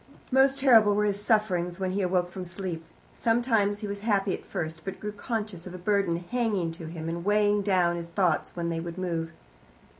Most terrible were his sufferings when he awoke from sleep. Sometimes he was happy at first, but grew conscious of a burden hanging to him and weighing down his thoughts when they would move.